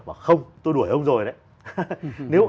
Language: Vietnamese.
bảo không tôi đuổi ông rồi đấy